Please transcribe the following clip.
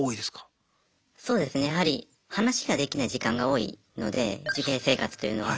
そうですねやはり話ができない時間が多いので受刑生活というのは。